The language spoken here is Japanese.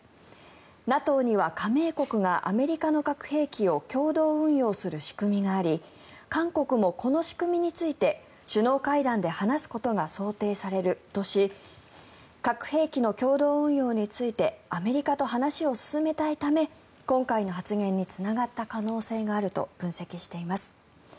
ＮＡＴＯには加盟国がアメリカの核兵器を共同運用する仕組みがあり韓国もこの仕組みについて首脳会談で話すことが想定されるとし核兵器の共同運用についてアメリカと話を進めたいため今回の発言につながった可能性があると分析しています。